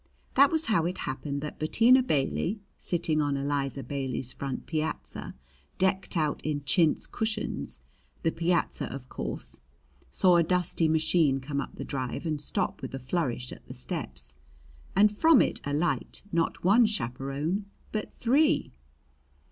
That was how it happened that Bettina Bailey, sitting on Eliza Bailey's front piazza, decked out in chintz cushions, the piazza, of course, saw a dusty machine come up the drive and stop with a flourish at the steps. And from it alight, not one chaperon, but three.